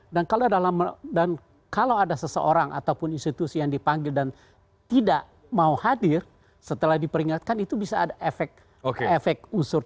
dan kalau ada seseorang ataupun institusi yang dipanggil dan tidak mau hadir setelah diperingatkan itu bisa ada efek usur